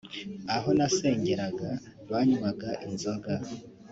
Aho nasengeraga banywaga inzoga